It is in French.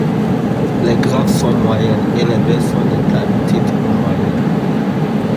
Les grappes sont moyennes et les baies sont de taille petite ou moyenne.